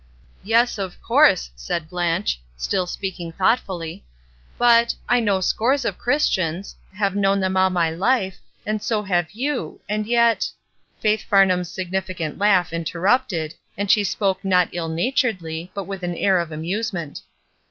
"Yes, of course," said Blanche, still speaking thoughtfully. " But — I know scores of Chris tians, have known them all my Uf e, and so have you; and yet —" Faith Farnham's agnificant laugh inter rupted, and she spoke not ill naturedly, but with an air of amusement.